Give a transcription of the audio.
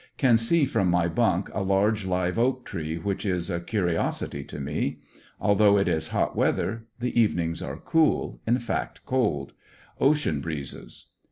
Can see from my bunk a large live oak tree which is a curiosity to me. Although it is hot weather the evenings are cool, in fact cold; ocean breezes.